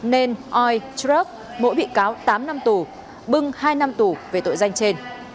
nên oi truc mỗi bị cáo tám năm tù bưng hai năm tù về tội danh trên